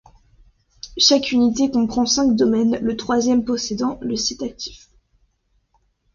Chaque unité comprend cinq domaines, le troisième possédant le site actif.